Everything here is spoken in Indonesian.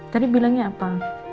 tadi bilangnya apa